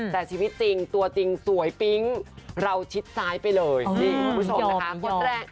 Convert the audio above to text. แต่ชีวิตจริงตัวจริงสวยปิ๊งเราชิดซ้ายไปเลยนี่คุณผู้ชมนะคะ